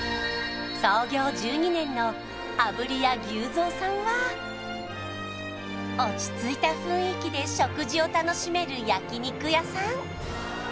牛蔵さんは落ち着いた雰囲気で食事を楽しめる焼肉屋さん